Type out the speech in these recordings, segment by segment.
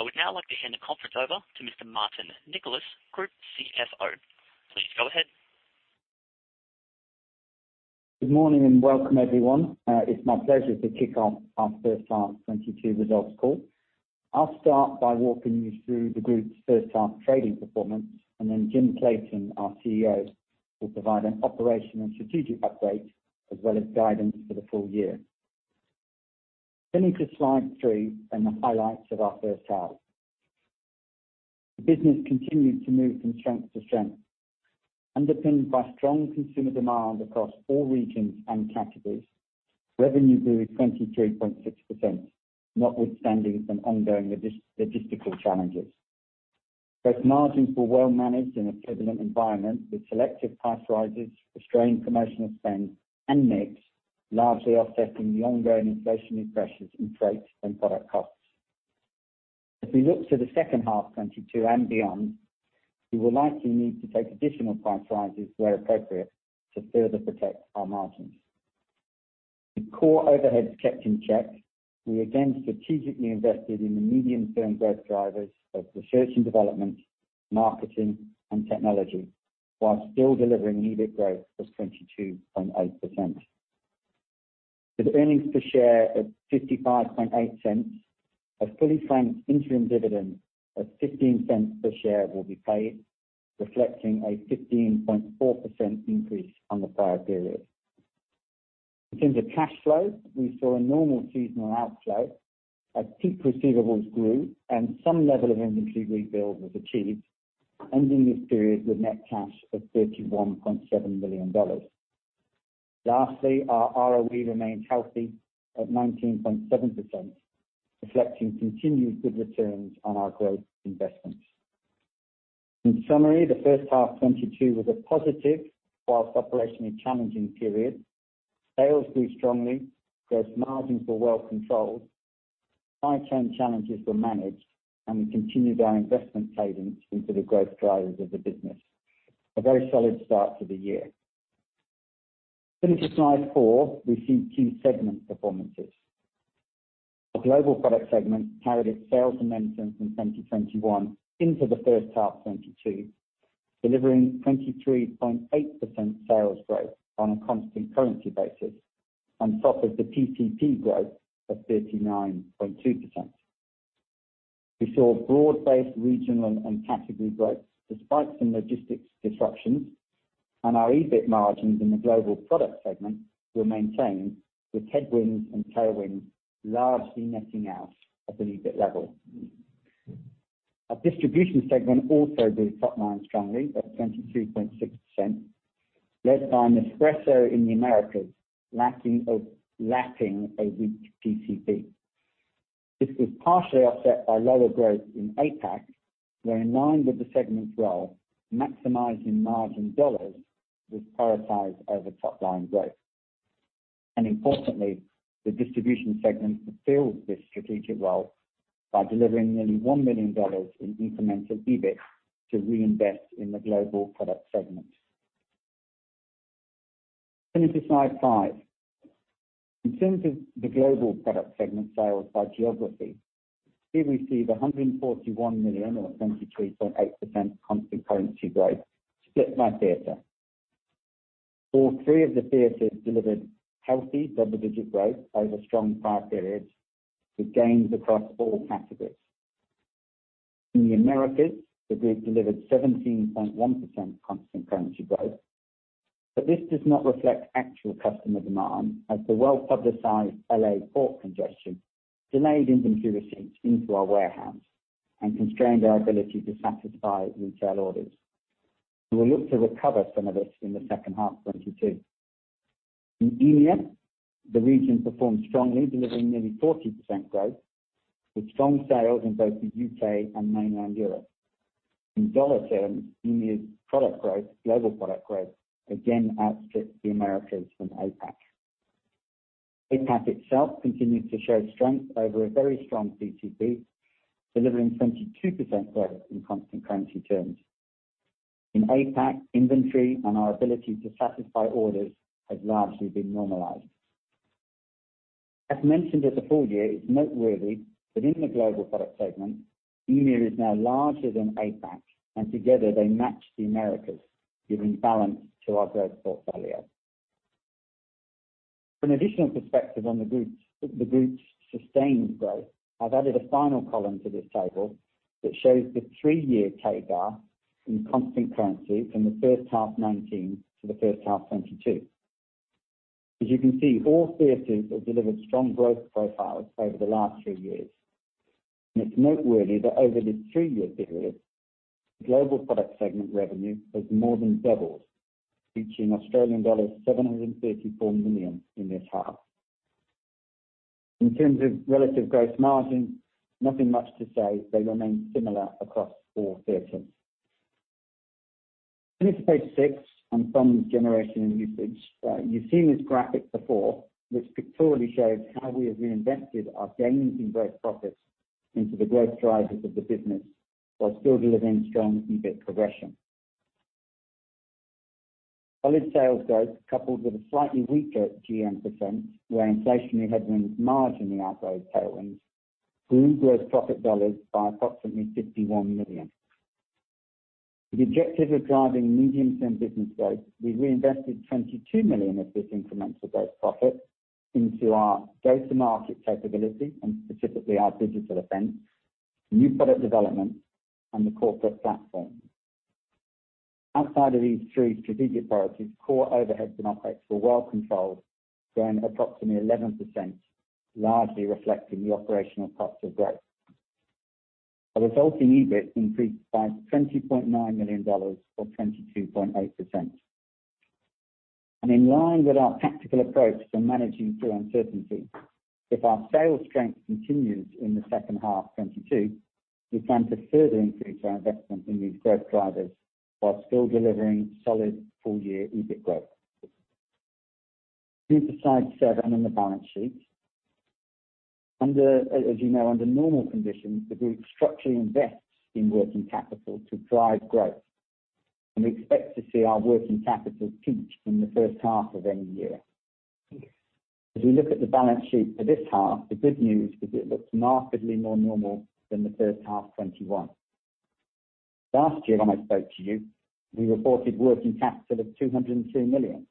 I would now like to hand the conference over to Mr. Martin Nicholas, Group CFO. Please go ahead. Good morning, and welcome everyone. It's my pleasure to kick off our first half 2022 results call. I'll start by walking you through the group's first half trading performance, and then Jim Clayton, our CEO, will provide an operational and strategic update as well as guidance for the full year. Turning to slide 3 and the highlights of our first half. The business continued to move from strength to strength, underpinned by strong consumer demand across all regions and categories. Revenue grew 23.6%, notwithstanding some ongoing logistical challenges. Both margins were well managed in a prevalent environment with selective price rises, restrained promotional spend and mix, largely offsetting the ongoing inflationary pressures in freight and product costs. If we look to the second half 2022 and beyond, we will likely need to take additional price rises where appropriate to further protect our margins. With core overheads kept in check, we again strategically invested in the medium-term growth drivers of research and development, marketing and technology, while still delivering EBIT growth of 22.8%. With earnings per share of 0.558, a fully franked interim dividend of 0.15 per share will be paid, reflecting a 15.4% increase on the prior period. In terms of cash flow, we saw a normal seasonal outflow as peak receivables grew and some level of inventory rebuild was achieved, ending this period with net cash of 31.7 million dollars. Lastly, our ROE remains healthy at 19.7%, reflecting continued good returns on our growth investments. In summary, the first half 2022 was a positive while operationally challenging period. Sales grew strongly. Gross margins were well controlled. Supply chain challenges were managed, and we continued our investment cadence into the growth drivers of the business. A very solid start to the year. Turning to slide 4, we see two segment performances. The Global Product Segment carried its sales momentum from 2021 into the first half 2022, delivering 23.8% sales growth on a constant currency basis and strong EBIT growth of 59.2%. We saw broad-based regional and category growth despite some logistics disruptions, and our EBIT margins in the Global Product Segment were maintained with headwinds and tailwinds, largely netting out at the EBIT level. Our Distribution Segment also grew top line strongly at 22.6%, led by Nespresso in the Americas, lapping a weak PCP. This was partially offset by lower growth in APAC, where in line with the segment's role, maximizing margin dollars was prioritized over top line growth. Importantly, the distribution segment fulfilled this strategic role by delivering nearly 1 million dollars in incremental EBIT to reinvest in the global product segment. Turning to slide 5. In terms of the global product segment sales by geography, here we see 141 million or 23.8% constant currency growth split by theater. All three of the theaters delivered healthy double-digit growth over strong prior periods with gains across all categories. In the Americas, the group delivered 17.1% constant currency growth, but this does not reflect actual customer demand as the well-publicized L.A. port congestion delayed inventory receipts into our warehouse and constrained our ability to satisfy retail orders. We will look to recover some of this in the second half 2022. In EMEA, the region performed strongly, delivering nearly 40% growth with strong sales in both the U.K. and mainland Europe. In dollar terms, EMEA's product growth. Global product growth again outstripped the Americas and APAC. APAC itself continues to show strength over a very strong PCP, delivering 22% growth in constant currency terms. In APAC, inventory and our ability to satisfy orders has largely been normalized. As mentioned for the full year, it's noteworthy that in the global product segment, EMEA is now larger than APAC, and together they match the Americas, giving balance to our growth portfolio. For an additional perspective on the group's sustained growth, I've added a final column to this table that shows the 3-year CAGR in constant currency from the first half 2019 to the first half 2022. As you can see, all theaters have delivered strong growth profiles over the last three years. It's noteworthy that over this three-year period, global product segment revenue has more than doubled, reaching Australian dollars 734 million in this half. In terms of relative gross margin, nothing much to say. They remain similar across all theaters. Turning to page six on funds generation and usage. You've seen this graphic before, which pictorially shows how we have reinvested our gains in gross profits into the growth drivers of the business while still delivering strong EBIT progression. Solid sales growth coupled with a slightly weaker GM percent where inflationary headwinds more than offset the outright tailwinds grew gross profit dollars by approximately 51 million. The objective of driving medium-term business growth, we reinvested 22 million of this incremental gross profit into our go-to-market capability and specifically our digital offense, new product development, and the corporate platform. Outside of these three strategic priorities, core overheads and operations were well controlled, growing approximately 11%, largely reflecting the operational costs of growth. The resulting EBIT increased by AUD $20.9 Million or 22.8%. In line with our tactical approach to managing through uncertainty, if our sales strength continues in the second half of 2022, we plan to further increase our investment in these growth drivers while still delivering solid full-year EBIT growth. Please turn to slide 7 on the balance sheet. As you know, under normal conditions, the group structurally invests in working capital to drive growth, and we expect to see our working capital peak in the first half of any year. As we look at the balance sheet for this half, the good news is it looks markedly more normal than the first half 2021. Last year when I spoke to you, we reported working capital of 202 million,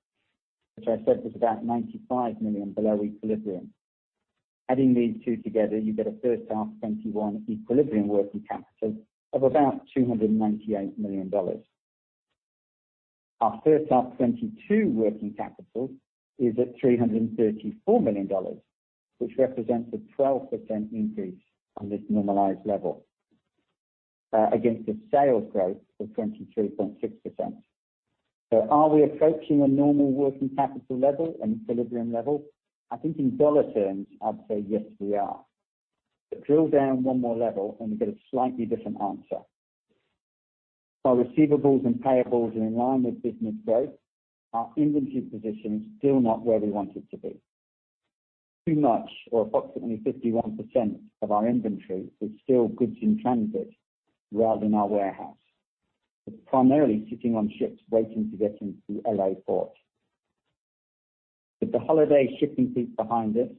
which I said was about 95 million below equilibrium. Adding these two together, you get a first half 2021 equilibrium working capital of about 298 million dollars. Our first half 2022 working capital is at 334 million dollars, which represents a 12% increase on this normalized level, against the sales growth of 23.6%. Are we approaching a normal working capital level and equilibrium level? I think in dollar terms, I'd say yes, we are. Drill down one more level, and we get a slightly different answer. While receivables and payables are in line with business growth, our inventory position is still not where we want it to be. Too much or approximately 51% of our inventory is still goods in transit rather than our warehouse. It's primarily sitting on ships waiting to get into L.A. Port. With the holiday shipping peak behind us,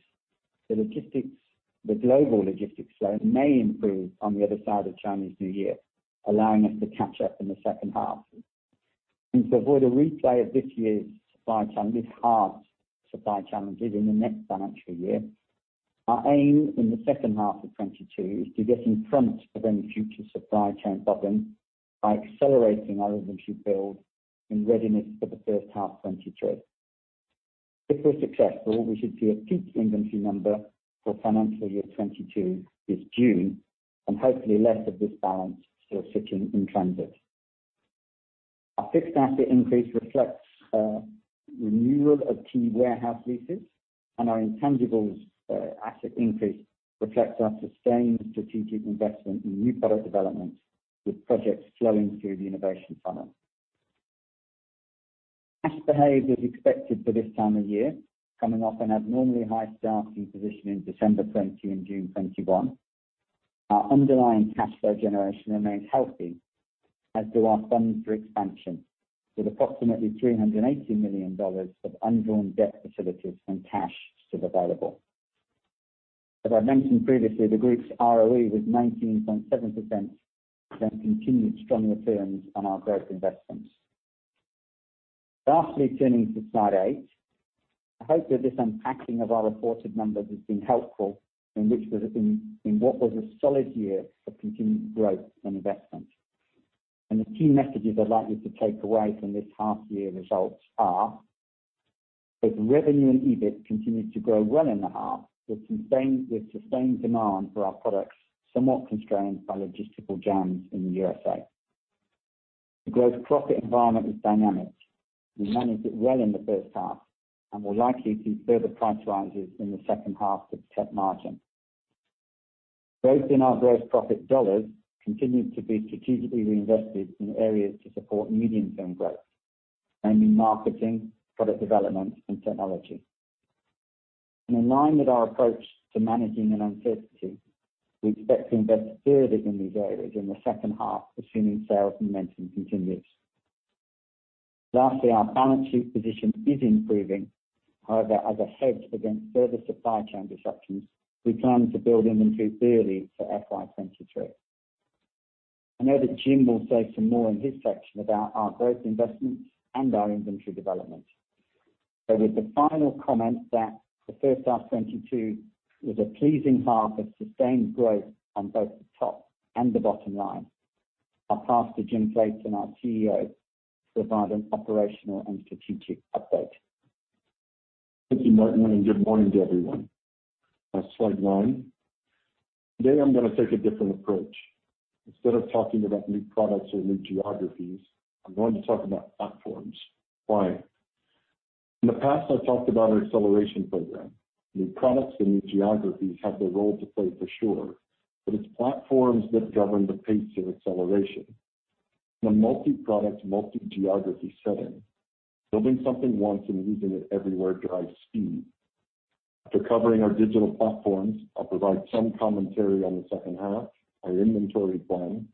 the global logistics flow may improve on the other side of Chinese New Year, allowing us to catch up in the second half. To avoid a replay of this year's supply chain, these hard supply challenges in the next financial year, our aim in the second half of 2022 is to get in front of any future supply chain problems by accelerating our inventory build in readiness for the first half 2023. If we're successful, we should see a peak inventory number for financial year 2022 this June, and hopefully less of this balance still sitting in transit. Our fixed asset increase reflects renewal of key warehouse leases, and our intangibles asset increase reflects our sustained strategic investment in new product development with projects flowing through the innovation funnel. Cash behaved as expected for this time of year, coming off an abnormally high starting position in December 2020 and June 2021. Our underlying cash flow generation remains healthy, as do our funds for expansion, with approximately 380 million dollars of undrawn debt facilities and cash still available. As I mentioned previously, the group's ROE was 19.7%, showing continued strong returns on our growth investments. Lastly, turning to slide 8. I hope that this unpacking of our reported numbers has been helpful in what was a solid year of continued growth and investment. The key messages I'd like you to take away from this half year results are that revenue and EBIT continued to grow well in the half with sustained demand for our products, somewhat constrained by logistical jams in the USA. The gross profit environment is dynamic. We managed it well in the first half and will likely see further price rises in the second half to protect margin. Growth in our gross profit dollars continued to be strategically reinvested in areas to support medium-term growth, namely marketing, product development and technology. In line with our approach to managing an uncertainty, we expect to invest further in these areas in the second half, assuming sales momentum continues. Lastly, our balance sheet position is improving. However, as a hedge against further supply chain disruptions, we plan to build inventory early for FY 2023. I know that Jim Clayton will say some more in his section about our growth investments and our inventory development. With the final comment that the first half 2022 was a pleasing half of sustained growth on both the top and the bottom line, I'll pass to Jim Clayton, our CEO, to provide an operational and strategic update. Thank you, Martin, and good morning to everyone. Slide nine. Today I'm gonna take a different approach. Instead of talking about new products or new geographies, I'm going to talk about platforms. Why? In the past, I've talked about our acceleration program. New products and new geographies have their role to play for sure, but it's platforms that govern the pace of acceleration. In a multi-product, multi-geography setting, building something once and using it everywhere drives speed. After covering our digital platforms, I'll provide some commentary on the second half, our inventory plan,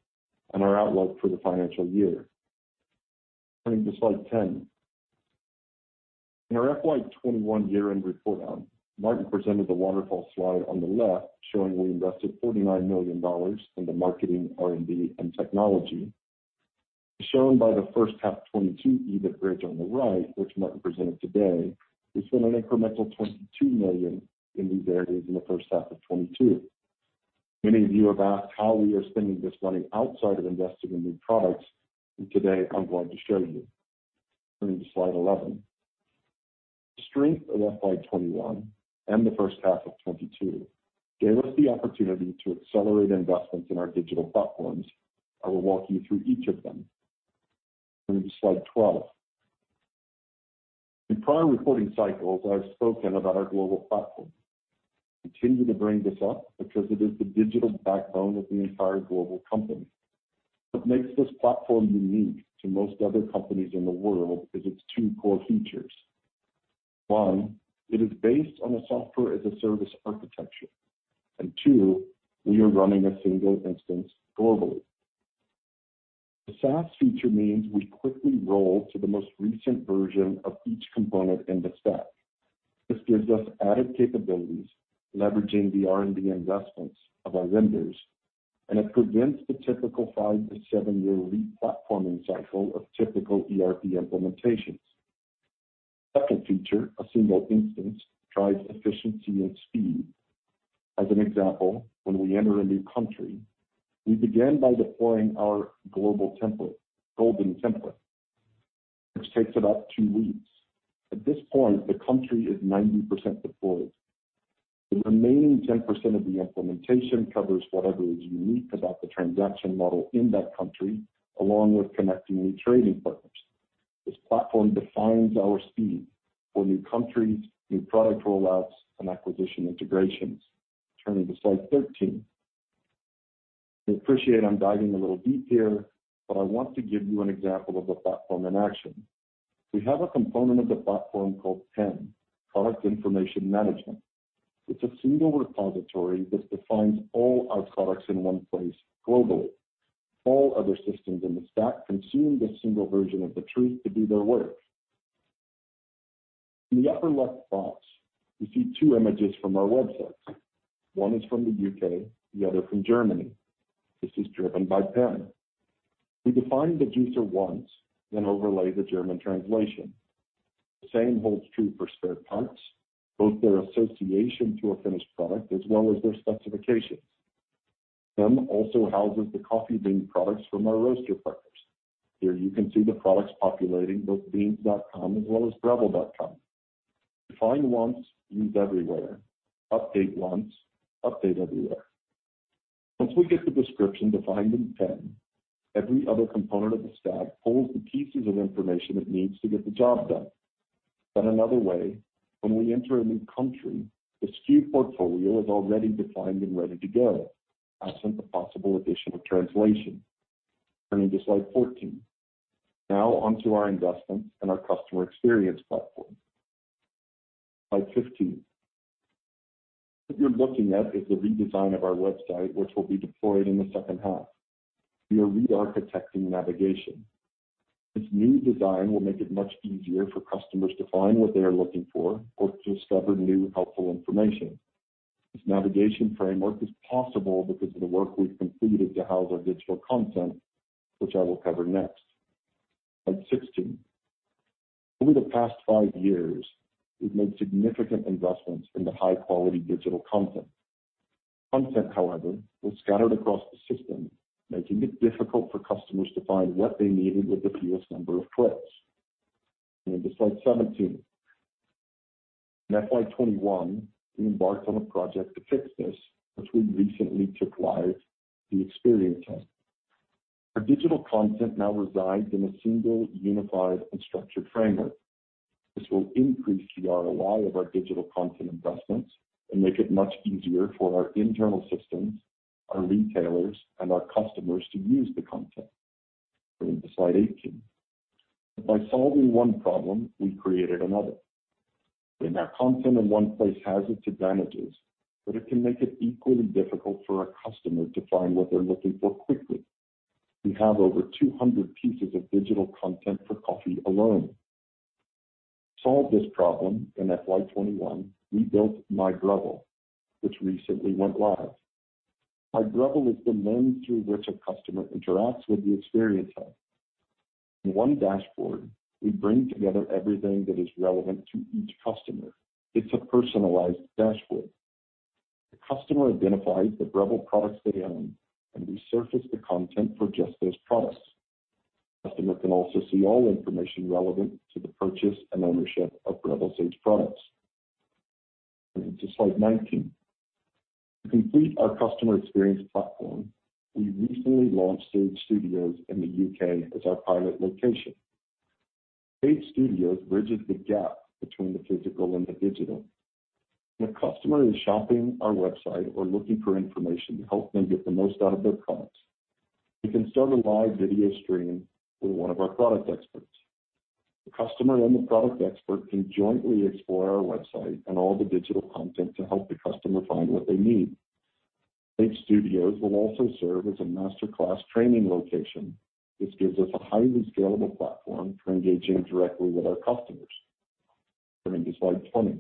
and our outlook for the financial year. Turning to slide 10. In our FY 2021 year-end report, Martin presented the waterfall slide on the left, showing we invested 49 million dollars into marketing, R&D, and technology. As shown by the first half 2022 EBIT bridge on the right, which Martin presented today, we spent an incremental 22 million in these areas in the first half of 2022. Many of you have asked how we are spending this money outside of investing in new products, and today I'm going to show you. Turning to slide 11. The strength of FY 2021 and the first half of 2022 gave us the opportunity to accelerate investments in our digital platforms. I will walk you through each of them. Turning to slide 12. In prior reporting cycles, I've spoken about our global platform. Continue to bring this up because it is the digital backbone of the entire global company. What makes this platform unique to most other companies in the world is its two core features. One, it is based on a software-as-a-service architecture. Two, we are running a single instance globally. The SaaS feature means we quickly roll to the most recent version of each component in the stack. This gives us added capabilities, leveraging the R&D investments of our vendors, and it prevents the typical 5-7-year re-platforming cycle of typical ERP implementations. Second feature, a single instance, drives efficiency and speed. As an example, when we enter a new country, we begin by deploying our global template, golden template, which takes about 2 weeks. At this point, the country is 90% deployed. The remaining 10% of the implementation covers whatever is unique about the transaction model in that country, along with connecting new trading partners. This platform defines our speed for new countries, new product rollouts, and acquisition integrations. Turning to slide 13. I appreciate I'm diving a little deep here, but I want to give you an example of the platform in action. We have a component of the platform called PIM, Product Information Management. It's a single repository that defines all our products in one place globally. All other systems in the stack consume this single version of the truth to do their work. In the upper left box, you see two images from our websites. One is from the U.K., the other from Germany. This is driven by PIM. We define the juicer once, then overlay the German translation. The same holds true for spare parts, both their association to a finished product as well as their specifications. PIM also houses the coffee bean products from our roaster partners. Here you can see the products populating both beanz.com as well as breville.com. Define once, use everywhere. Update once, update everywhere. Once we get the description defined in PIM, every other component of the stack pulls the pieces of information it needs to get the job done. Another way, when we enter a new country, the SKU portfolio is already defined and ready to go, absent the possible addition of translation. Turning to slide 14. Now onto our investments and our customer experience platform. Slide 15. What you're looking at is the redesign of our website, which will be deployed in the second half. We are re-architecting navigation. This new design will make it much easier for customers to find what they are looking for or to discover new helpful information. This navigation framework is possible because of the work we've completed to house our digital content, which I will cover next. Slide 16. Over the past 5 years, we've made significant investments into high-quality digital content. Content, however, was scattered across the system, making it difficult for customers to find what they needed with the fewest number of clicks. Turning to slide 17. In FY 2021, we embarked on a project to fix this, which we recently took live, the Experience Hub. Our digital content now resides in a single, unified, and structured framework. This will increase the ROI of our digital content investments and make it much easier for our internal systems, our retailers, and our customers to use the content. Turning to slide 18. By solving one problem, we created another. Having our content in one place has its advantages, but it can make it equally difficult for a customer to find what they're looking for quickly. We have over 200 pieces of digital content for coffee alone. To solve this problem in FY 2021, we built My Breville, which recently went live. My Breville is the lens through which a customer interacts with the Experience Hub. In one dashboard, we bring together everything that is relevant to each customer. It's a personalized dashboard. The customer identifies the Breville products they own, and we surface the content for just those products. The customer can also see all information relevant to the purchase and ownership of Breville Sage products. Turning to slide 19. To complete our customer experience platform, we recently launched Sage Studios in the U.K. as our pilot location. Sage Studios bridges the gap between the physical and the digital. When a customer is shopping our website or looking for information to help them get the most out of their products, we can start a live video stream with one of our product experts. The customer and the product expert can jointly explore our website and all the digital content to help the customer find what they need. H-Studio will also serve as a master class training location, which gives us a highly scalable platform for engaging directly with our customers. Turning to slide 20.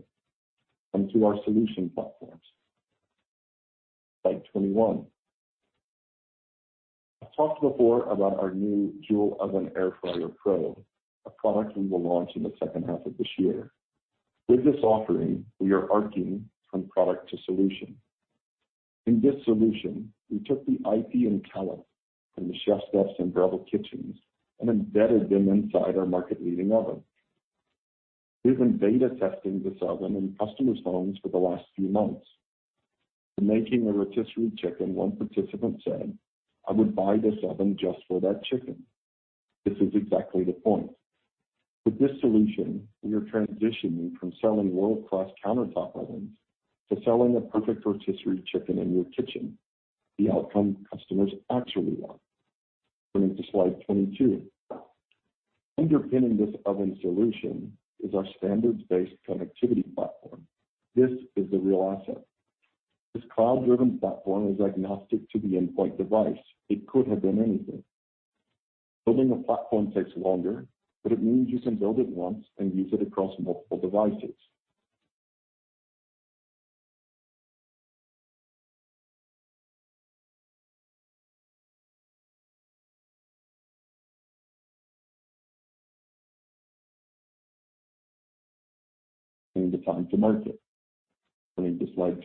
Onto our solution platforms. Slide 21. I've talked before about our new Joule Oven Air Fryer Pro, a product we will launch in the second half of this year. With this offering, we are arcing from product to solution. In this solution, we took the IP and talent from the ChefSteps and Breville kitchens and embedded them inside our market-leading oven. We've been beta testing this oven in customers' homes for the last few months. When making a rotisserie chicken, one participant said, "I would buy this oven just for that chicken." This is exactly the point. With this solution, we are transitioning from selling world-class countertop ovens to selling the perfect rotisserie chicken in your kitchen, the outcome customers actually want. Turning to slide 22. Underpinning this oven solution is our standards-based connectivity platform. This is the real asset. This cloud-driven platform is agnostic to the endpoint device. It could have been anything. Building a platform takes longer, but it means you can build it once and use it across multiple devices, and the time to market. Turning to slide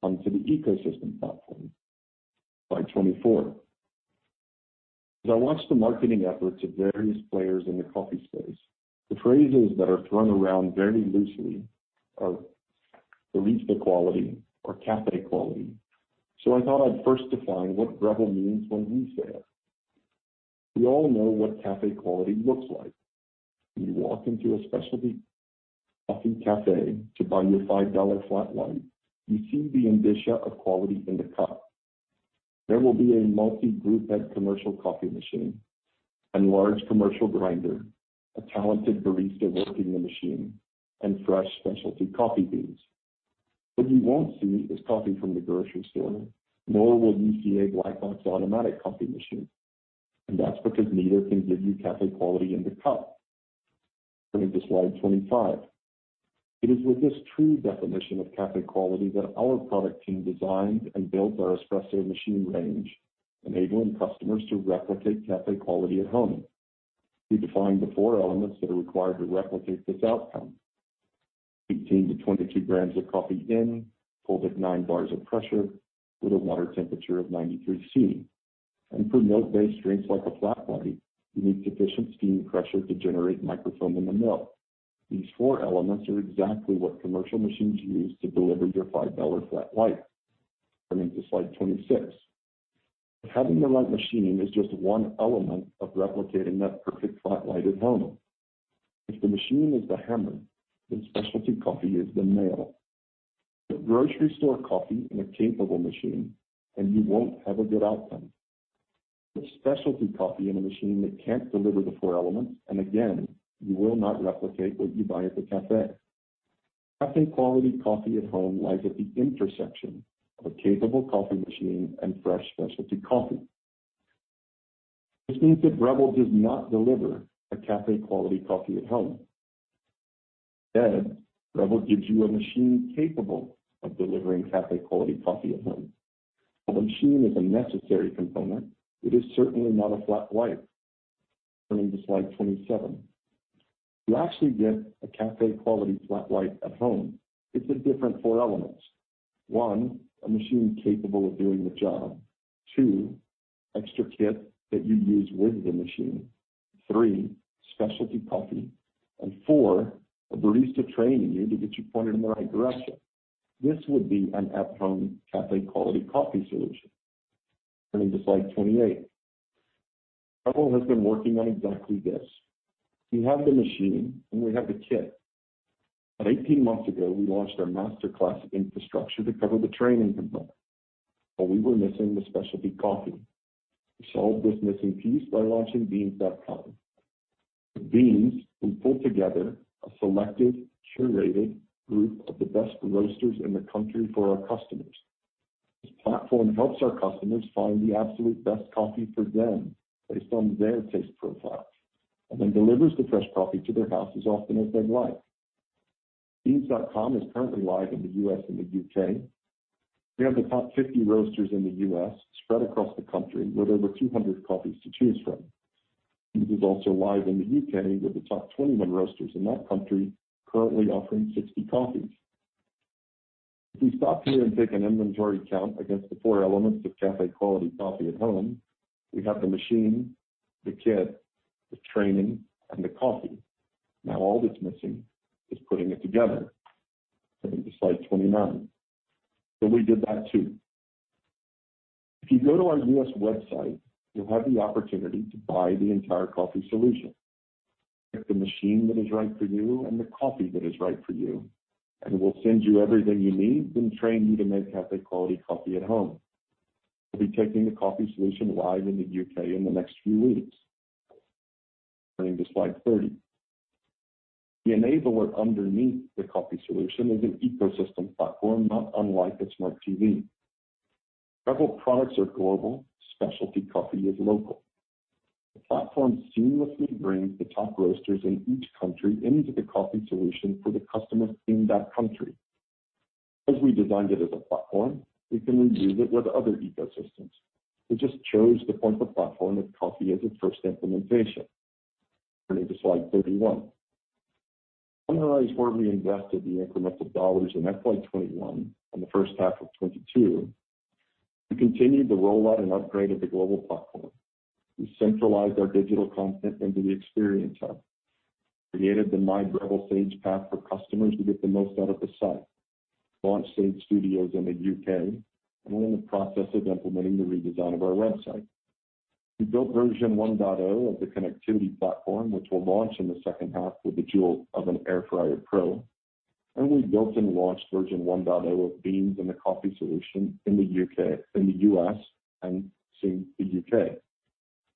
23. Onto the ecosystem platform. Slide 24. As I watch the marketing efforts of various players in the coffee space, the phrases that are thrown around very loosely are "barista quality" or "cafe quality." So I thought I'd first define what Breville means when we say it. We all know what cafe quality looks like. When you walk into a specialty coffee cafe to buy your 5 dollar flat white, you see the indicia of quality in the cup. There will be a multi-group head commercial coffee machine, and large commercial grinder, a talented barista working the machine, and fresh specialty coffee beans. What you won't see is coffee from the grocery store, nor will you see a black box automatic coffee machine. That's because neither can give you cafe quality in the cup. Turning to slide 25. It is with this true definition of cafe quality that our product team designed and built our espresso machine range, enabling customers to replicate cafe quality at home. We defined the 4 elements that are required to replicate this outcome. 18-22 grams of coffee in, pulled at 9 bars of pressure with a water temperature of 93 degrees Celsius. For milk-based drinks like a flat white, you need sufficient steam pressure to generate microfoam in the milk. These four elements are exactly what commercial machines use to deliver your 5 dollar flat white. Turning to slide 26. Having the right machine is just one element of replicating that perfect flat white at home. If the machine is the hammer, then specialty coffee is the nail. Put grocery store coffee in a capable machine, and you won't have a good outcome. Put specialty coffee in a machine that can't deliver the four elements, and again, you will not replicate what you buy at the cafe. Cafe quality coffee at home lies at the intersection of a capable coffee machine and fresh specialty coffee. This means that Breville does not deliver a cafe-quality coffee at home. Instead, Breville gives you a machine capable of delivering cafe-quality coffee at home. A machine is a necessary component. It is certainly not a flat white. Turning to slide 27. To actually get a café-quality flat white at home, it's a different four elements. One, a machine capable of doing the job. Two, extra kit that you use with the machine. Three, specialty coffee. Four, a barista training you to get you pointed in the right direction. This would be an at-home café-quality coffee solution. Turning to slide 28. Breville has been working on exactly this. We have the machine and we have the kit. About 18 months ago, we launched our Masterclass infrastructure to cover the training component, but we were missing the specialty coffee. We solved this missing piece by launching beanz.com. With Beanz, we pulled together a selected, curated group of the best roasters in the country for our customers. This platform helps our customers find the absolute best coffee for them based on their taste profile, and then delivers the fresh coffee to their house as often as they'd like. Beanz.com is currently live in the U.S. and the U.K. We have the top 50 roasters in the U.S. spread across the country with over 200 coffees to choose from. Beanz is also live in the U.K. with the top 21 roasters in that country, currently offering 60 coffees. If we stop here and take an inventory count against the four elements of cafe quality coffee at home, we have the machine, the kit, the training, and the coffee. Now, all that's missing is putting it together. Turning to slide 29. We did that too. If you go to our U.S. website, you'll have the opportunity to buy the entire coffee solution. Get the machine that is right for you and the coffee that is right for you, and we'll send you everything you need and train you to make cafe quality coffee at home. We'll be taking the coffee solution live in the U.K. in the next few weeks. Turning to slide 30. The enabler underneath the coffee solution is an ecosystem platform, not unlike a smart TV. Several products are global. Specialty coffee is local. The platform seamlessly brings the top roasters in each country into the coffee solution for the customers in that country. As we designed it as a platform, we can reuse it with other ecosystems. We just chose to point the platform at coffee as its first implementation. Turning to slide 31. Summarize where we invested the incremental dollars in FY 2021 and the first half of 2022. We continued the rollout and upgrade of the global platform. We centralized our digital content into the Experience Hub, created the My Breville staging path for customers to get the most out of the site, launched Sage Studios in the U.K. We're in the process of implementing the redesign of our website. We built version 1.0 of the connectivity platform, which we'll launch in the second half with the Joule Oven Air Fryer Pro. We built and launched version 1.0 of Beanz and the coffee solution in the U.S. and soon the U.K.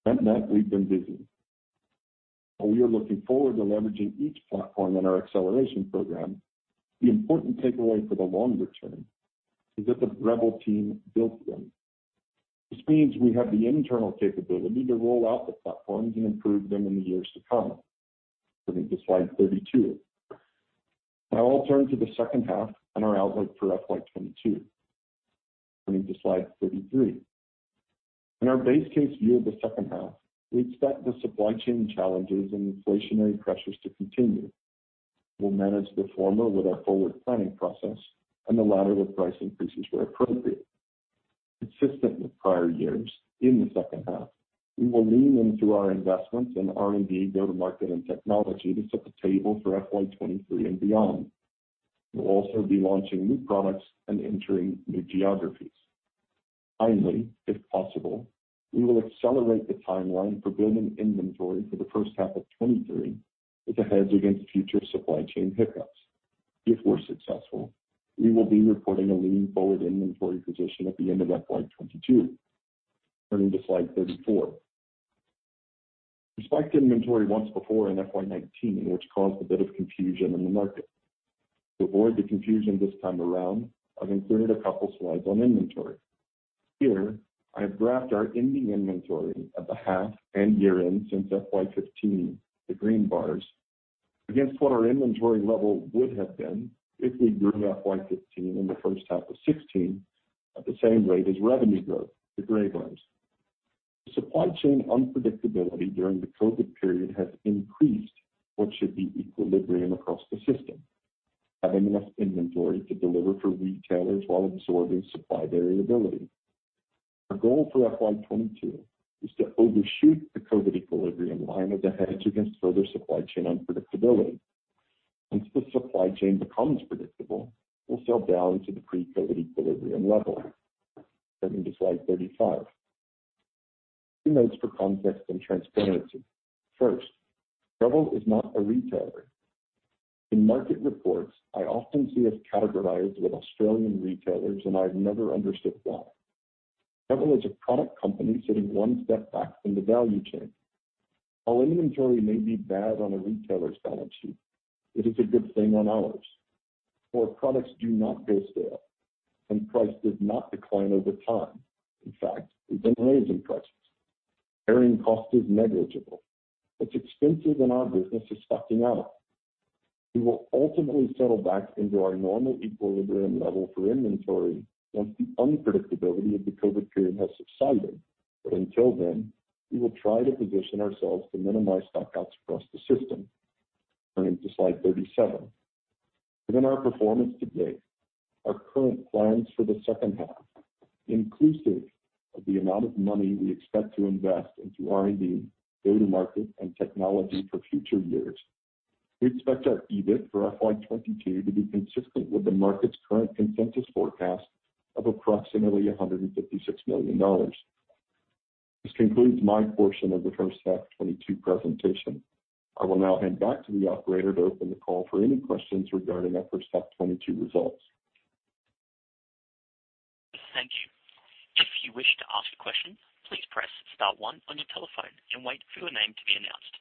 That meant we've been busy. While we are looking forward to leveraging each platform in our acceleration program, the important takeaway for the longer term is that the Breville team built them, which means we have the internal capability to roll out the platforms and improve them in the years to come. Turning to slide 32. Now I'll turn to the second half and our outlook for FY 2022. Turning to slide 33. In our base case view of the second half, we expect the supply chain challenges and inflationary pressures to continue. We'll manage the former with our forward planning process and the latter with price increases where appropriate. Consistent with prior years, in the second half, we will lean into our investments in R&D, go-to-market, and technology to set the table for FY 2023 and beyond. We'll also be launching new products and entering new geographies. Finally, if possible, we will accelerate the timeline for building inventory for the first half of 2023 as a hedge against future supply chain hiccups. If we're successful, we will be reporting a lean forward inventory position at the end of FY 2022. Turning to slide 34. We spiked inventory once before in FY 2019, which caused a bit of confusion in the market. To avoid the confusion this time around, I've included a couple slides on inventory. Here, I have graphed our ending inventory at the half and year-end since FY 2015, the green bars, against what our inventory level would have been if we grew FY 2015 and the first half of 2016 at the same rate as revenue growth, the gray bars. The supply chain unpredictability during the COVID period has increased what should be equilibrium across the system, having enough inventory to deliver for retailers while absorbing supply variability. Our goal for FY 2022 is to overshoot the COVID equilibrium line as a hedge against further supply chain unpredictability. Once the supply chain becomes predictable, we'll sell down to the pre-COVID equilibrium level. Turning to slide 35. Two notes for context and transparency. First, Breville is not a retailer. In market reports, I often see us categorized with Australian retailers, and I've never understood why. Breville is a product company sitting one step back from the value chain. Our inventory may be bad on a retailer's balance sheet, but it's a good thing on ours, for products do not go stale and price does not decline over time. In fact, we've been raising prices. Carrying cost is negligible. What's expensive in our business is stocking out. We will ultimately settle back into our normal equilibrium level for inventory once the unpredictability of the COVID period has subsided, but until then, we will try to position ourselves to minimize stock outs across the system. Turning to slide 37. Given our performance to date, our current plans for the second half, inclusive of the amount of money we expect to invest into R&D, go-to-market, and technology for future years, we expect our EBIT for FY 2022 to be consistent with the market's current consensus forecast of approximately 156 million dollars. This concludes my portion of the first half 2022 presentation. I will now hand back to the operator to open the call for any questions regarding our first half 2022 results. Thank you. If you wish to ask a question, please press star 1 on your telephone and wait for your name to be announced.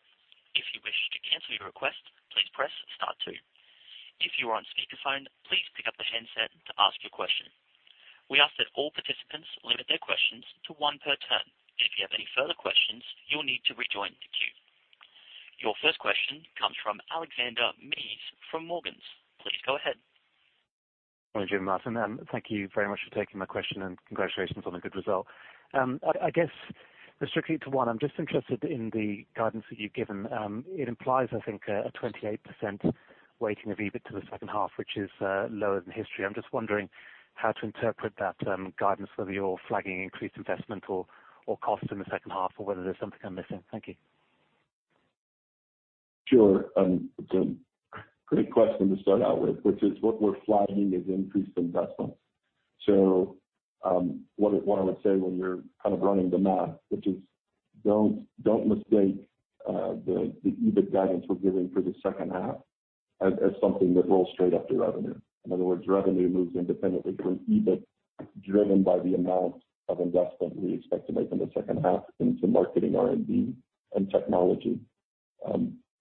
If you wish to cancel your request, please press star 2. If you are on speakerphone, please pick up the handset to ask your question. We ask that all participants limit their questions to one per turn. If you have any further questions, you'll need to rejoin the queue. Your first question comes from Alexander Mees from Morgans. Please go ahead. Good morning, Jim and Martin. Thank you very much for taking my question and congratulations on the good result. I guess just sticking to one, I'm just interested in the guidance that you've given. It implies, I think, a 28% weighting of EBIT to the second half, which is lower than history. I'm just wondering how to interpret that guidance, whether you're flagging increased investment or cost in the second half or whether there's something I'm missing. Thank you. Sure, Jim, great question to start out with, which is what we're flagging is increased investment. What I would say when you're kind of running the math, which is don't mistake the EBIT guidance we're giving for the second half as something that rolls straight up to revenue. In other words, revenue moves independently from EBIT, driven by the amount of investment we expect to make in the second half into marketing R&D and technology.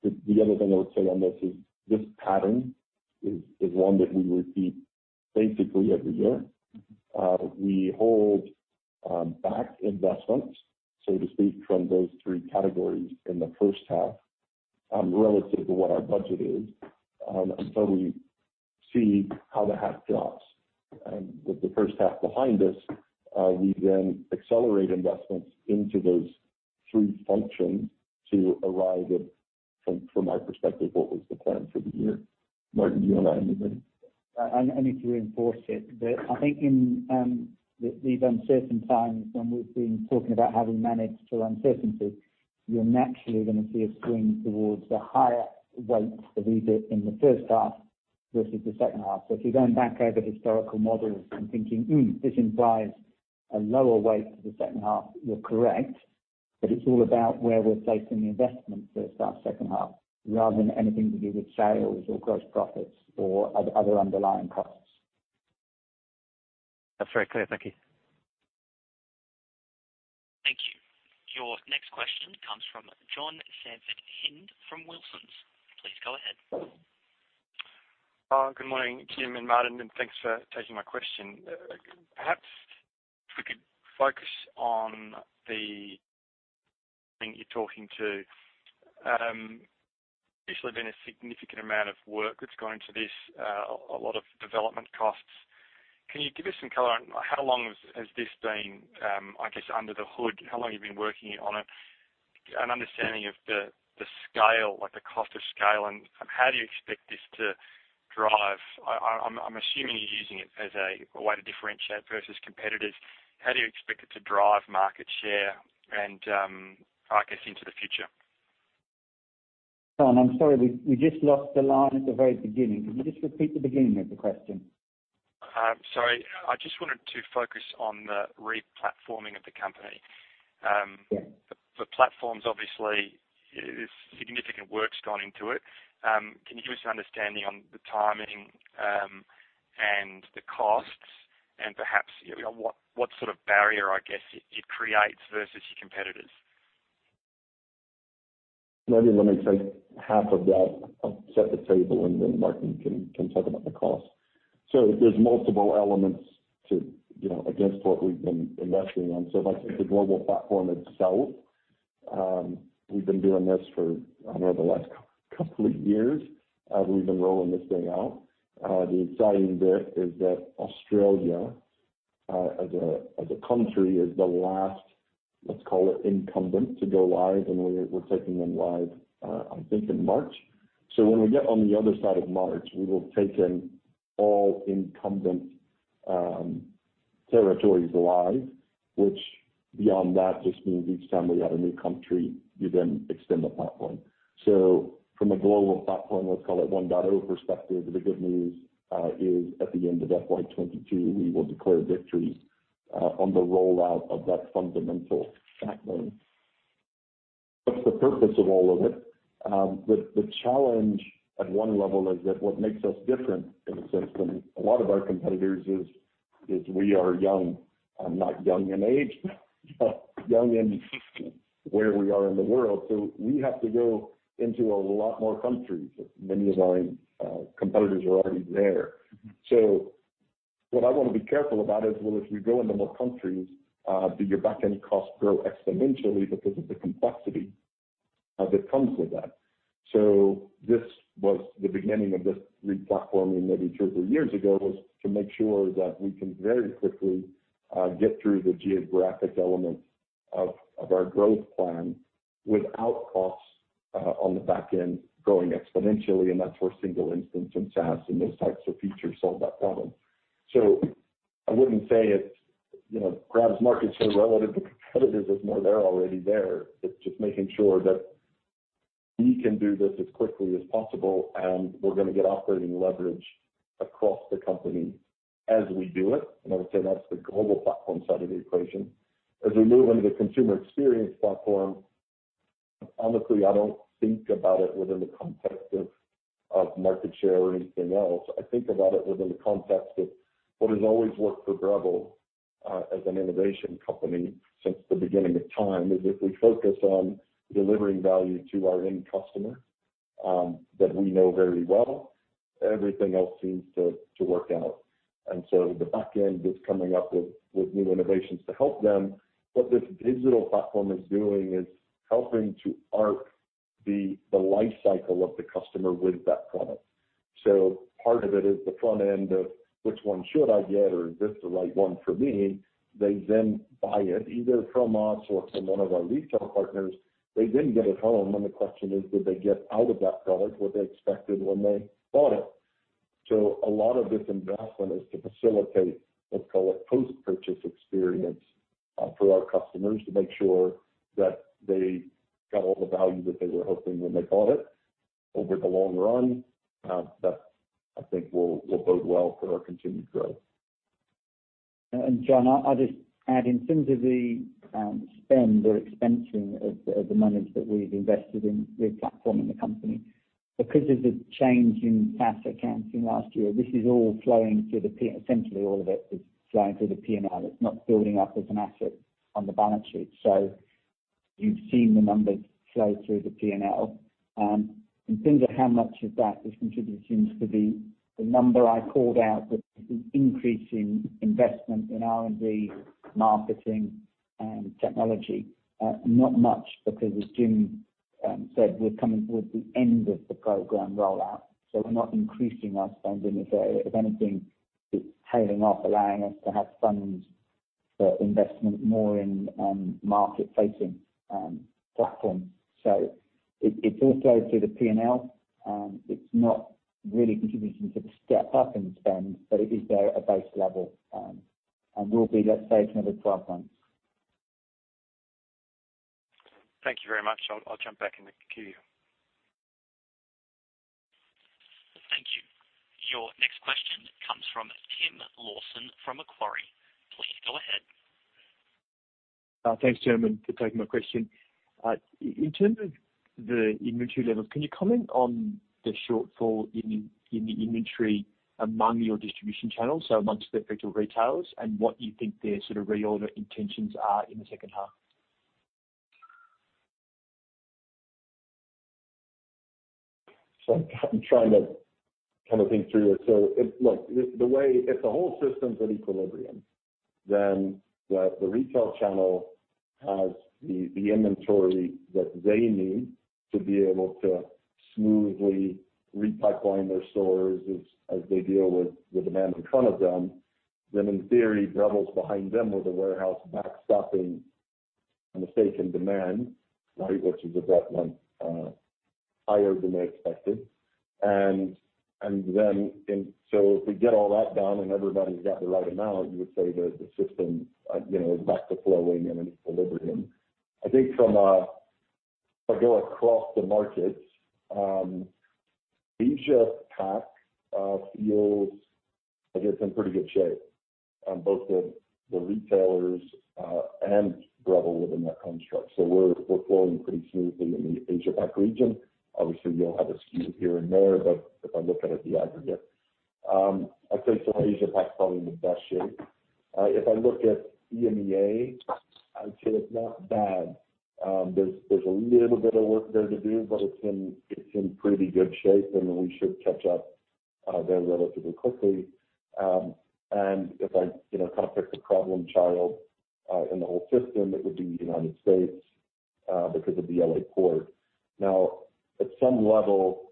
The other thing I would say on this is this pattern is one that we repeat basically every year. We hold back investments, so to speak, from those three categories in the first half, relative to what our budget is, until we see how the half goes. With the first half behind us, we then accelerate investments into those three functions to arrive at, from my perspective, what was the plan for the year. Martin, do you want to add anything? I need to reinforce it. I think in these uncertain times when we've been talking about how we manage through uncertainty, you're naturally gonna see a swing towards the higher weights of EBIT in the first half versus the second half. If you're going back over historical models and thinking, "Hmm, this implies a lower weight for the second half," you're correct. It's all about where we're placing the investment first half, second half, rather than anything to do with sales or gross profits or other underlying costs. That's very clear. Thank you. Thank you. Your next question comes from John Sanford-Hind from Wilsons. Please go ahead. Good morning, Jim and Martin, and thanks for taking my question. Perhaps if we could focus on the thing you're talking to. There's actually been a significant amount of work that's gone to this, a lot of development costs. Can you give us some color on how long has this been, I guess, under the hood? How long you've been working on it? An understanding of the scale, like the cost of scale, and how do you expect this to drive. I'm assuming you're using it as a way to differentiate versus competitors. How do you expect it to drive market share and, I guess, into the future? John, I'm sorry. We just lost the line at the very beginning. Can you just repeat the beginning of the question? Sorry. I just wanted to focus on the re-platforming of the company. Yes. The platform's obviously significant work's gone into it. Can you give us an understanding on the timing, and the costs and perhaps, you know, what sort of barrier, I guess, it creates versus your competitors? Maybe let me take half of that. I'll set the table, and then Martin can talk about the cost. There's multiple elements to, you know, against what we've been investing on. If I take the global platform itself, we've been doing this for, I don't know, the last couple of years, we've been rolling this thing out. The exciting bit is that Australia, as a country is the last, let's call it, incumbent to go live, and we're taking them live, I think in March. When we get on the other side of March, we will have taken all incumbent territories live, which beyond that just means each time we add a new country, you then extend the platform. From a global platform, let's call it 1.0 perspective, the good news is at the end of FY 2022, we will declare victory on the rollout of that fundamental backbone. What's the purpose of all of it? The challenge at one level is that what makes us different in a sense than a lot of our competitors is we are young. I'm not young in age, but young in where we are in the world. We have to go into a lot more countries that many of our competitors are already there. What I wanna be careful about is, well, if we go into more countries, do your back end costs grow exponentially because of the complexity that comes with that? This was the beginning of this re-platforming maybe two or three years ago, was to make sure that we can very quickly get through the geographic elements of our growth plan without costs on the back end growing exponentially, and that's where single instance and tasks and those types of features solve that problem. I wouldn't say it's, you know, grabs market share relative to competitors. It's more they're already there. It's just making sure that we can do this as quickly as possible, and we're gonna get operating leverage across the company as we do it. I would say that's the global platform side of the equation. As we move into the consumer experience platform, honestly, I don't think about it within the context of market share or anything else. I think about it within the context of what has always worked for Breville as an innovation company since the beginning of time. If we focus on delivering value to our end customer that we know very well, everything else seems to work out. The back end is coming up with new innovations to help them. What this digital platform is doing is helping to arc the life cycle of the customer with that product. Part of it is the front end of which one should I get or is this the right one for me. They then buy it either from us or from one of our retail partners. They then get it home and the question is, did they get out of that product what they expected when they bought it? A lot of this investment is to facilitate, let's call it, post-purchase experience, for our customers to make sure that they got all the value that they were hoping when they bought it over the long run. That I think will bode well for our continued growth. John, I'll just add, in terms of the spend or expensing of the monies that we've invested in replatforming the company, because of the change in FAS accounting last year, this is all flowing through the P&L. Essentially all of it is flowing through the P&L. It's not building up as an asset on the balance sheet. You've seen the numbers flow through the P&L. In terms of how much of that is contributing to the number I called out with the increase in investment in R&D, marketing and technology, not much, because as Jim said, we're coming towards the end of the program rollout, so we're not increasing our spend in this area. If anything, it's tailing off, allowing us to have funds for investment more in market-facing platforms. It's all flowing through the P&L. It's not really contributing to the step-up in spend, but it is there at base level, and will be, let's say, for another 12 months. Thank you very much. I'll jump back in the queue. Thank you. Your next question comes from Tim Lawson from Macquarie. Please go ahead. Thanks, gentlemen, for taking my question. In terms of the inventory levels, can you comment on the shortfall in the inventory among your distribution channels, so amongst the effective retailers, and what you think their sort of reorder intentions are in the second half? I'm trying to kind of think through it. If the whole system's at equilibrium, then the retail channel has the inventory that they need to be able to smoothly replenish their stores as they deal with the demand in front of them. Then in theory, Breville's behind them with a warehouse backstopping a mistake in demand, right, which is a judgment higher than they expected. If we get all that down and everybody's got the right amount, you would say the system is back to flowing and in equilibrium. I think if I go across the markets, Asia Pac feels like it's in pretty good shape on both the retailers and Breville within that construct. We're flowing pretty smoothly in the Asia Pac region. Obviously, you'll have a skew here and there, but if I look at it in the aggregate. I'd say Asia Pac's probably in the best shape. If I look at EMEA, I'd say it's not bad. There's a little bit of work there to do, but it's in pretty good shape, and we should catch up there relatively quickly. If I, you know, kind of pick the problem child in the whole system, it would be United States because of the L.A. port. Now, at some level,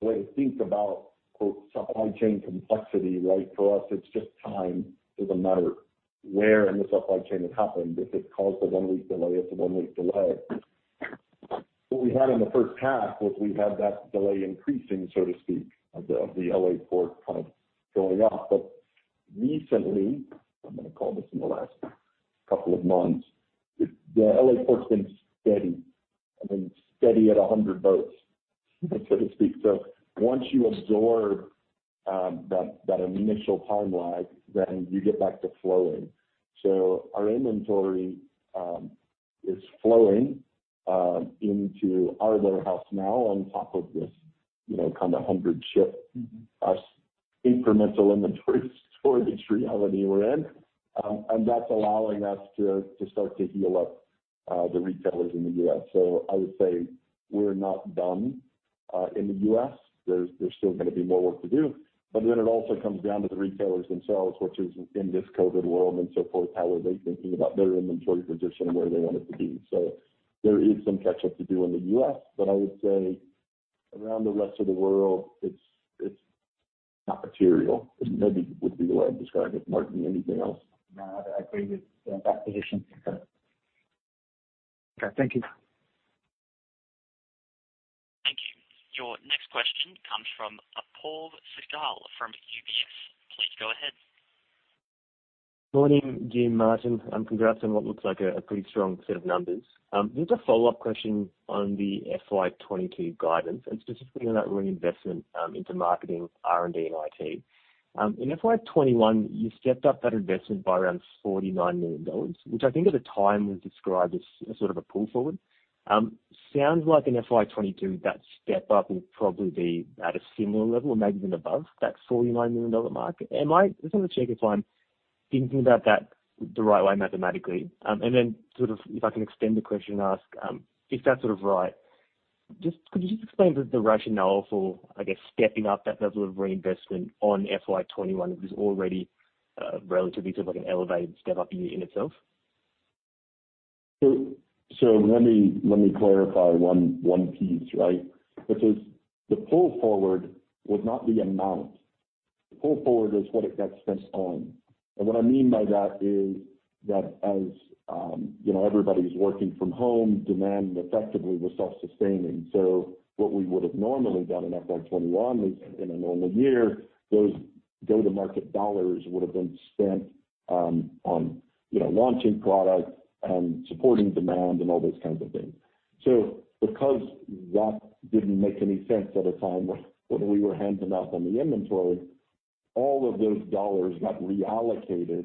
the way to think about "supply chain complexity," right? For us, it's just time. It doesn't matter where in the supply chain it happened. If it's caused a one-week delay, it's a one-week delay. What we had in the first half was that delay increasing, so to speak, of the L.A. port kind of going up. Recently, I'm gonna call this in the last couple of months, the L.A. port's been steady at 100 boats, so to speak. Once you absorb that initial time lag, then you get back to flowing. Our inventory is flowing into our warehouse now on top of this, you know, kind of 100-ship incremental inventory storage reality we're in. That's allowing us to start to heal up the retailers in the U.S. I would say we're not done in the U.S. There's still gonna be more work to do. It also comes down to the retailers themselves, which is in this COVID world and so forth, how are they thinking about their inventory position and where they want it to be? There is some catch-up to do in the U.S., but I would say around the rest of the world, it's not material. Maybe would be the way I'd describe it, Martin, anything else? No, I agree with that position. Okay. Thank you. Thank you. Your next question comes from, Paul Checchin from UBS. Please go ahead. Morning, Jim, Martin, and congrats on what looks like a pretty strong set of numbers. Just a follow-up question on the FY 2022 guidance and specifically on that reinvestment into marketing, R&D, and IT. In FY 2021, you stepped up that investment by around 49 million dollars, which I think at the time was described as sort of a pull forward. Sounds like in FY 2022, that step up will probably be at a similar level or maybe even above that AUD 49 million mark. Just wanna check if I'm thinking about that the right way mathematically. Sort of if I can extend the question and ask, if that's sort of right, just could you just explain the rationale for, I guess, stepping up that level of reinvestment on FY 2021, which is already relatively sort of like an elevated step up in itself? Let me clarify one piece, right? Which is the pull forward was not the amount. The pull forward is what it got spent on. What I mean by that is that as you know, everybody's working from home, demand effectively was self-sustaining. What we would have normally done in FY 2021 is in a normal year, those go-to-market dollars would have been spent on you know, launching products and supporting demand and all those kinds of things. Because that didn't make any sense at a time when we were handing out on the inventory, all of those dollars got reallocated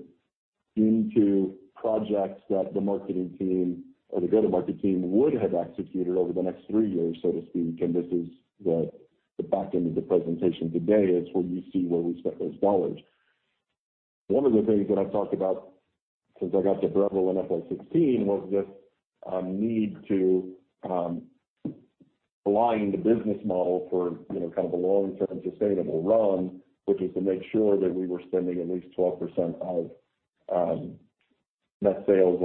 into projects that the marketing team or the go-to-market team would have executed over the next three years, so to speak. This is the back end of the presentation today, where you see where we spent those dollars. One of the things that I've talked about since I got to Breville in FY 2016 was this need to align the business model for, you know, kind of a long-term sustainable run, which is to make sure that we were spending at least 12% of net sales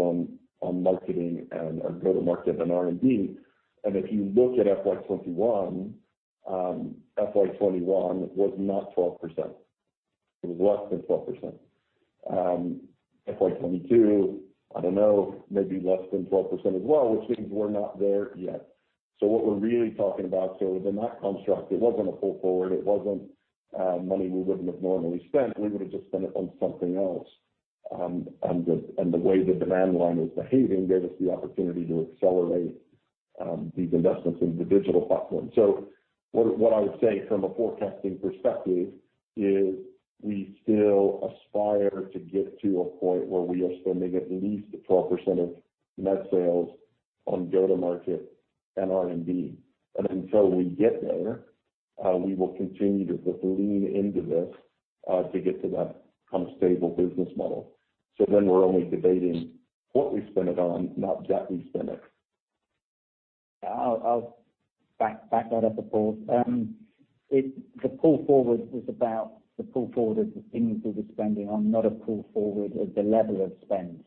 on marketing and go-to-market and R&D. If you look at FY 2021, FY 2021 was not 12%. It was less than 12%. FY 2022, I don't know, maybe less than 12% as well, which means we're not there yet. What we're really talking about within that construct, it wasn't a pull forward. It wasn't money we wouldn't have normally spent. We would've just spent it on something else. The way the demand line was behaving gave us the opportunity to accelerate these investments in the digital platform. What I would say from a forecasting perspective is we still aspire to get to a point where we are spending at least 12% of net sales on go-to-market and R&D. Until we get there, we will continue to just lean into this to get to that kind of stable business model. We're only debating what we spend it on, not that we spend it. I'll back that up, Paul. The pull forward was about the pull forward of the things we were spending on, not a pull forward of the level of spend.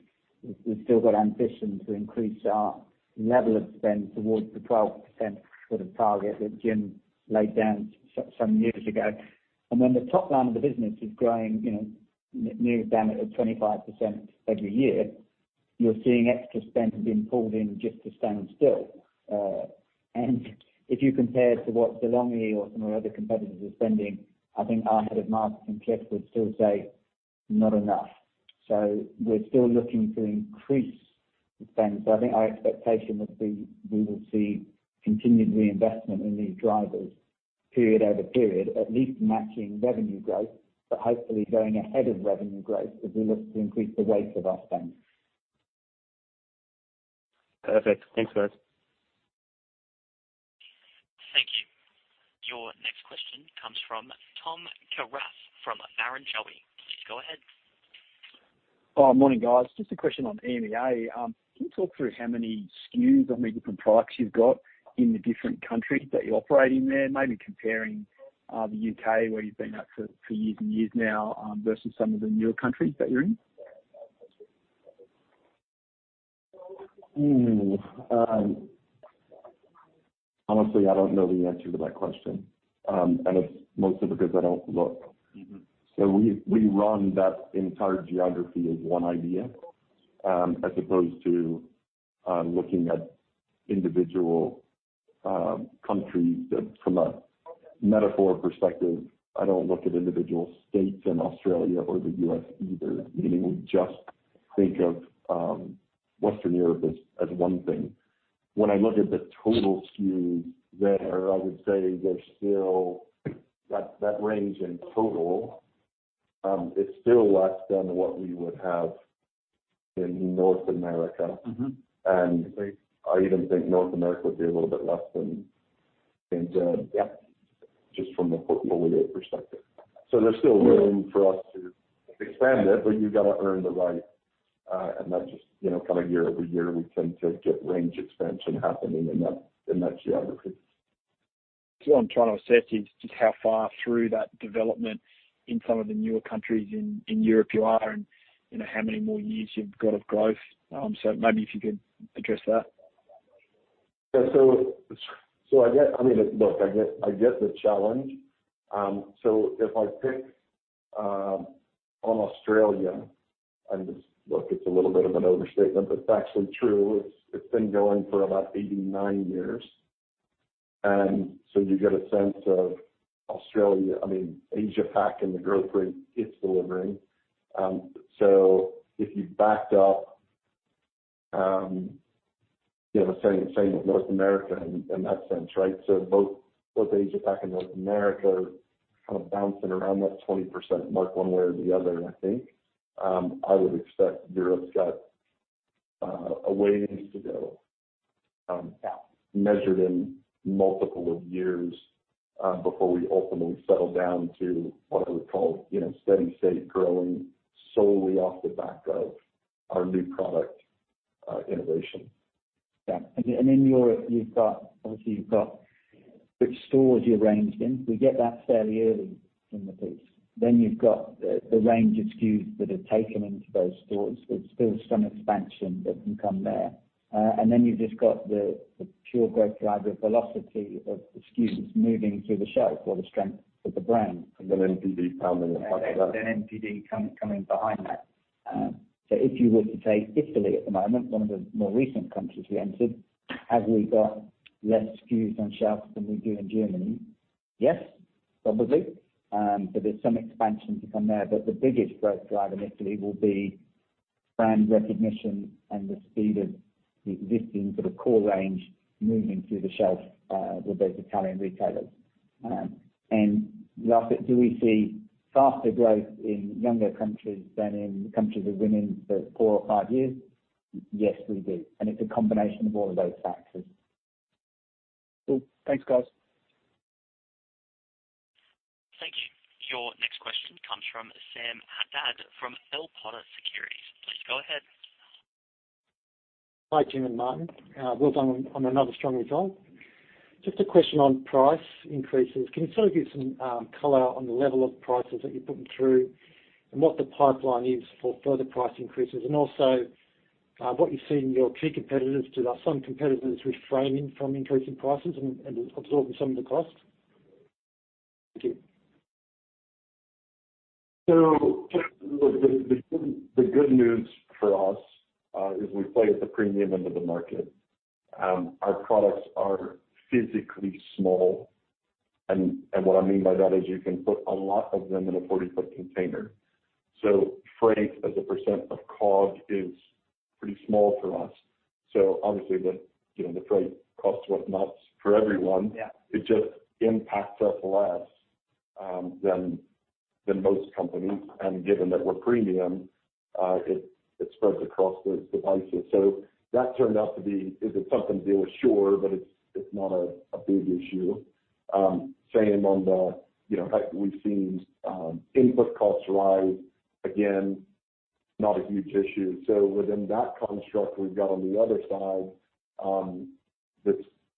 We've still got ambition to increase our level of spend towards the 12% sort of target that Jim laid down some years ago. When the top line of the business is growing, you know, nearly 25% every year, you're seeing extra spend being pulled in just to stand still. If you compare to what De'Longhi or some of our other competitors are spending, I think our head of marketing, Cliff, would still say, "Not enough." We're still looking to increase spend. I think our expectation would be we will see continued reinvestment in these drivers period over period, at least matching revenue growth. Hopefully going ahead of revenue growth as we look to increase the rate of our spend. Perfect. Thanks, guys. Thank you. Your next question comes from Tom Karas from Barrenjoey. Please go ahead. Morning, guys. Just a question on EMEA. Can you talk through how many SKUs, how many different products you've got in the different countries that you operate in there? Maybe comparing the U.K., where you've been at for years and years now, versus some of the newer countries that you're in. Honestly, I don't know the answer to that question. It's mostly because I don't look. We run that entire geography as one idea, as opposed to looking at individual countries. That, from a metaphor perspective, I don't look at individual states in Australia or the U.S. either, meaning we just think of Western Europe as one thing. When I look at the total SKUs there, I would say there's still that range in total is still less than what we would have in North America. I even think North America would be a little bit less than. Yeah. Just from the portfolio perspective. There's still room for us to expand it, but you got to earn the right. That just, you know, kind of year over year, we tend to get range expansion happening in that geography. What I'm trying to assess is just how far through that development in some of the newer countries in Europe you are and, you know, how many more years you've got of growth. Maybe if you could address that. Yeah. I mean, look, I get the challenge. If I pick on Australia. Look, it's a little bit of an overstatement, but it's actually true. It's been going for about 89 years. You get a sense of Australia. I mean, Asia Pac and the growth rate it's delivering. If you back up, you know, the same with North America in that sense, right? Both Asia Pac and North America kind of bouncing around that 20% mark one way or the other, I think. I would expect Europe's got a ways to go, measured in multiple of years, before we ultimately settle down to what I would call, you know, steady state growing solely off the back of our new product innovation. In Europe you've got obviously, you've got which stores you're ranged in. We get that fairly early in the piece. You've got the range of SKUs that are taken into those stores. There's still some expansion that can come there. You've just got the pure growth driver velocity of the SKUs moving through the shelf or the strength of the brand. NPD coming on top of that. NPD coming behind that. If you were to take Italy at the moment, one of the more recent countries we entered, have we got less SKUs on shelves than we do in Germany? Yes, probably. There's some expansion to come there. The biggest growth driver in Italy will be brand recognition and the speed of the existing sort of core range moving through the shelf with those Italian retailers. Last bit, do we see faster growth in younger countries than in countries we've been in for four or five years? Yes, we do. It's a combination of all of those factors. Cool. Thanks, guys. Thank you. Your next question comes from Sam Haddad from Bell Potter Securities. Please go ahead. Hi, Jim and Martin. Well done on another strong result. Just a question on price increases. Can you sort of give some color on the level of prices that you're putting through and what the pipeline is for further price increases? What you see in your key competitors refraining from increasing prices and absorbing some of the cost. Thank you. Just look, the good news for us is we play at the premium end of the market. Our products are physically small, and what I mean by that is you can put a lot of them in a 40-foot container. Freight as a % of COG is pretty small for us. Obviously you know, the freight cost went nuts for everyone. Yeah. It just impacts us less than most companies. Given that we're premium, it spreads across the devices. That turned out to be. Is it something to deal with? Sure. It's not a big issue. Same on the, you know, we've seen input costs rise. Again, not a huge issue. Within that construct, we've got on the other side this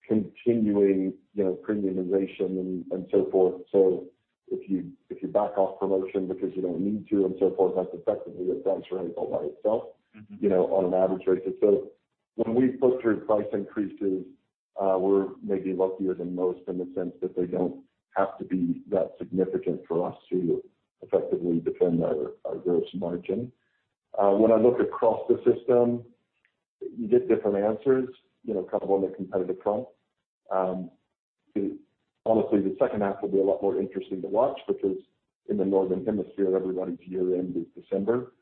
continuing, you know, premiumization and so forth. If you back off promotion because you don't need to and so forth, that's effectively a price raise all by itself. You know, on an average basis. When we put through price increases, we're maybe luckier than most in the sense that they don't have to be that significant for us to effectively defend our gross margin. When I look across the system, you get different answers, you know, kind of on the competitive front. Honestly, the second half will be a lot more interesting to watch because in the Northern Hemisphere, everybody's year-end is December.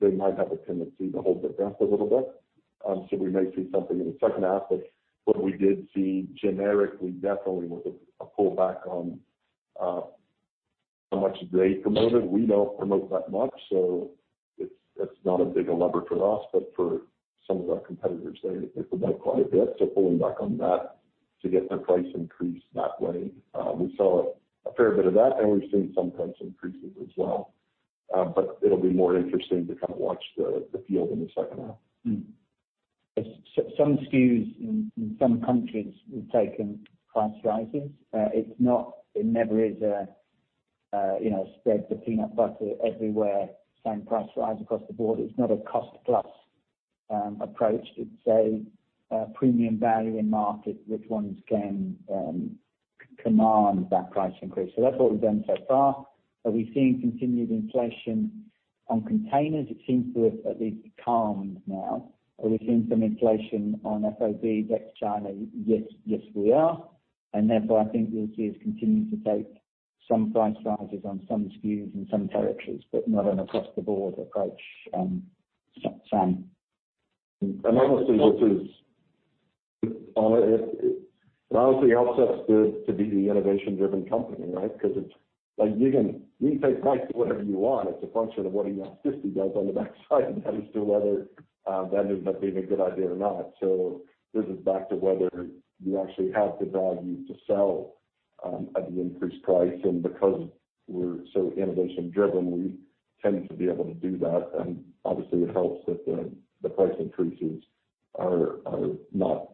They might have a tendency to hold their breath a little bit. We may see something in the second half. What we did see generically, definitely was a pullback on how much they promoted. We don't promote that much, so it's not as big a lever for us. For some of our competitors, they promote quite a bit, so pulling back on that to get their price increase that way. We saw a fair bit of that, and we've seen some price increases as well. It'll be more interesting to kind of watch the field in the second half. Some SKUs in some countries we've taken price rises. It's not. It never is a, you know, spread the peanut butter everywhere, same price rise across the board. It's not a cost plus approach. It's a premium value in market, which ones can command that price increase. So that's what we've done so far. Are we seeing continued inflation on containers? It seems to have at least calmed now. Are we seeing some inflation on FOB back to China? Yes. Yes, we are. Therefore, I think you'll see us continuing to take some price rises on some SKUs in some territories, but not an across the board approach, Sam. Honestly, it helps us to be the innovation-driven company, right? Because it's like, you can take price to whatever you want. It's a function of what your net 50 does on the back side as to whether that ends up being a good idea or not. This is back to whether you actually have the value to sell at the increased price. Because we're so innovation-driven, we tend to be able to do that. Obviously it helps that the price increases are not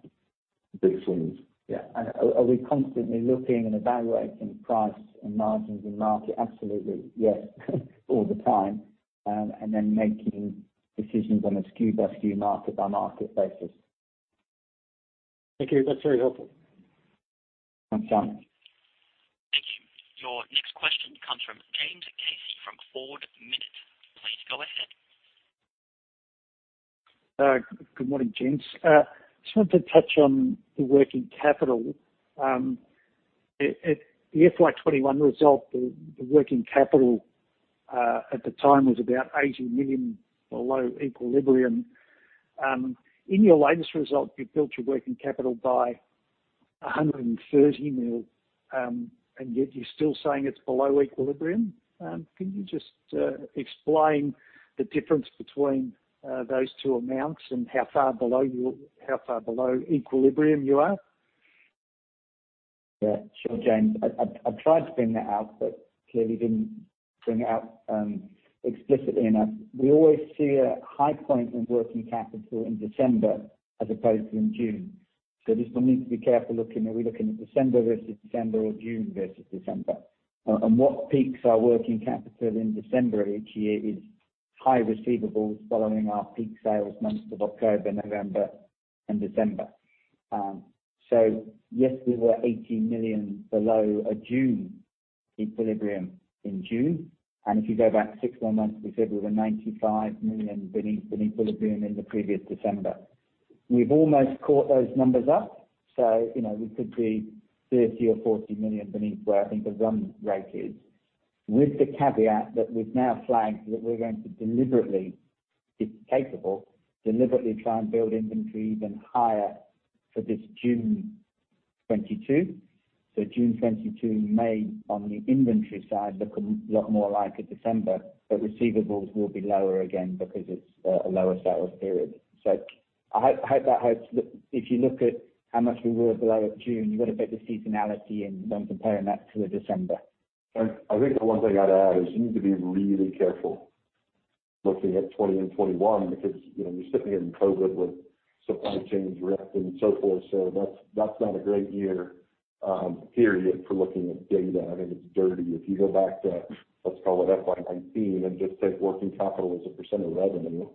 big swings. Yeah. Are we constantly looking and evaluating price and margins in market? Absolutely, yes, all the time. Making decisions on a SKU by SKU market by market basis. Thank you. That's very helpful. Thanks, Sam. Thank you. Your next question comes from James Casey from Ord Minnett. Please go ahead. Good morning, gents. Just wanted to touch on the working capital. At the FY 2021 result, the working capital at the time was about 80 million below equilibrium. In your latest result, you built your working capital by 130 million, and yet you're still saying it's below equilibrium. Can you just explain the difference between those two amounts and how far below equilibrium you are? Yeah, sure, James. I tried to bring that out, but clearly didn't bring it out explicitly enough. We always see a high point in working capital in December as opposed to in June. Just we'll need to be careful looking. Are we looking at December versus December or June versus December? What peaks our working capital in December of each year is high receivables following our peak sales months of October, November and December. Yes, we were 80 million below a June equilibrium in June. If you go back 6 more months, we said we were 95 million beneath equilibrium in the previous December. We've almost caught those numbers up. You know, we could be 30 or 40 million beneath where I think the run rate is. With the caveat that we've now flagged that we're going to deliberately, if capable, try and build inventory even higher for this June 2022. June 2022 may, on the inventory side, look a lot more like a December, but receivables will be lower again because it's a lower sales period. I hope that helps. If you look at how much we were below June, you've got to bear the seasonality and then comparing that to a December. I think the one thing I'd add is you need to be really careful looking at 2020 and 2021 because, you know, you're sitting in COVID with supply chains wrecked and so forth. That's not a great year, period for looking at data. I think it's dirty. If you go back to, let's call it FY 2019 and just take working capital as a percent of revenue,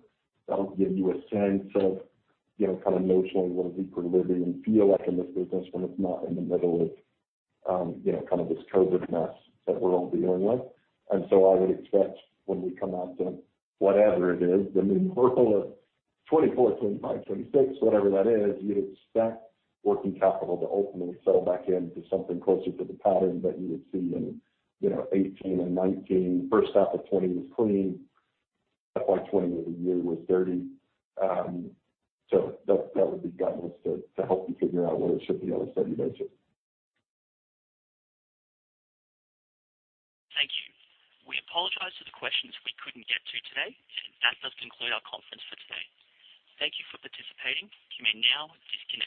that'll give you a sense of, you know, kind of notionally what does equilibrium feel like in this business when it's not in the middle of, you know, kind of this COVID mess that we're all dealing with. I would expect when we come out of the, whatever it is, the new normal of 2024, 2025, 2026, whatever that is, you'd expect working capital to ultimately settle back into something closer to the pattern that you would see in, you know, 2018 and 2019. First half of 2020 was clean. FY 2020 as a year was dirty. That would be guidance to help you figure out where it should be on a steady budget. Thank you. We apologize for the questions we couldn't get to today, and that does conclude our conference for today. Thank you for participating. You may now disconnect.